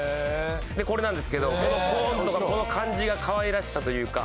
これなんですけどコーンとかこの感じが可愛らしさというか。